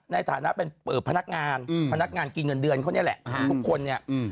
ในฐานะเป็นพนักงานพนักงานกินเงินเดือนเขานี่แหละทุกคนเนี่ย